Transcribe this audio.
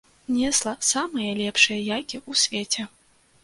Несла самыя лепшыя яйкі ў свеце.